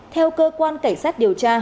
theo cơ quan cảnh sát điều tra